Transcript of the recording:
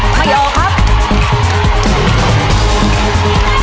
ไม่ออกครับ